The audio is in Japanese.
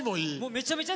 めちゃめちゃ。